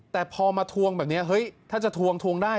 แต่พอมาทวงแบบนี้เฮ้ยถ้าจะทวงทวงได้